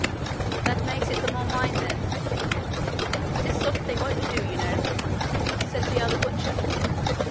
'That makes it the more mine, then.' 'This sort of thing won't do, you know,' said the other butcher.